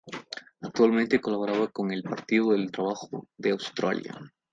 Actualmente colabora con el Partido del Trabajo de Austria.